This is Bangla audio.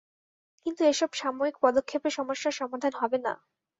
কিন্তু এসব সাময়িক পদক্ষেপে সমস্যার সমাধান হবে না।